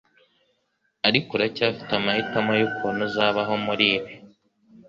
ariko uracyafite amahitamo yukuntu uzabaho muri ibi.